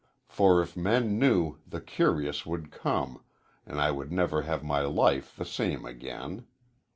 For if men knew, the curious would come and I would never have my life the same again.